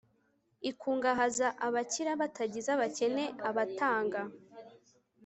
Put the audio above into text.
ikungahaza abakira batagize abakene abatanga